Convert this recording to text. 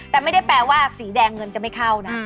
แต่ไม่ได้แปลว่าสีแดงเงินจะไม่เข้านะ